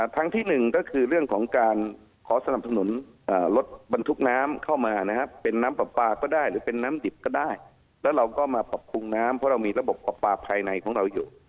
ทางที่หนึ่งก็คือเรื่องของการขอสนับสนุนรถบรรทุกน้ำเข้ามานะครับเป็นน้ำปลาปลาก็ได้หรือเป็นน้ำดิบก็ได้แล้วเราก็มาปรับปรุงน้ำเพราะเรามีระบบประปาภายในของเราอยู่